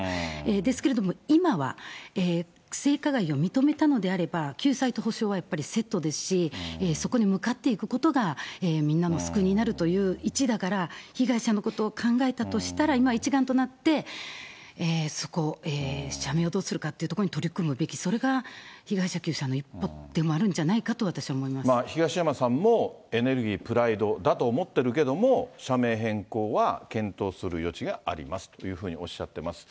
ですけれども、今は、性加害を認めたのであれば、救済と補償はやっぱりセットですし、そこに向かっていくことがみんなの救いになるといういちだから、被害者のことを考えたとしたら、今一丸となって、そこを、社名をどうするかってところに取り組むべき、それが被害者救済の一歩でもあるんじゃないかと、東山さんもエネルギー、プライドだと思ってるけども、社名変更は検討する余地がありますというふうにおっしゃってます。